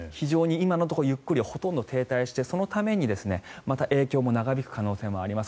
今のところゆっくりで停滞してそのためにまた影響も長引く可能性もあります。